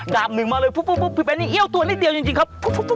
ดาบหนึ่งมาเลยพี่เบ้นยังเอี้ยวตัวนิดเดียวจริงครับ